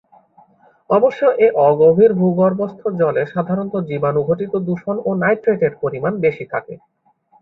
অবশ্য এ অগভীর ভূগর্ভস্থ জলে সাধারণত জীবাণুঘটিত দূষণ ও নাইট্রেটের পরিমাণ বেশি থাকে।